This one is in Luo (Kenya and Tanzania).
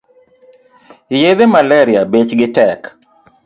Yedhe malaria bech gi tek